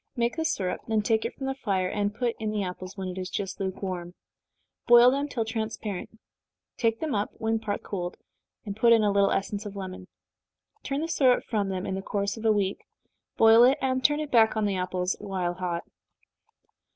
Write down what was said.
Make the syrup, then take it from the fire, and put in the apples, when it is just lukewarm. Boil them till transparent, take them up when partly cooled, put in a little essence of lemon. Turn the syrup from them in the course of a week, boil it, and turn it back on the apples while hot.